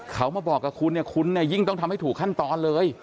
เขามาบอกกับคุณคุณยิ่งต้องทำให้ถูกขั้นตอนเลย